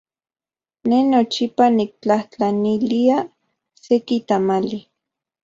Ne nochipa niktlajtlanilia seki tamali.